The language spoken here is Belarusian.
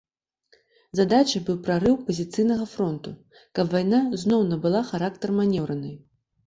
Задачай быў прарыў пазіцыйнага фронту, каб вайна зноў набыла характар манеўранай.